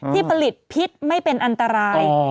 ที่ผลิตพิษไม่เป็นอันตราย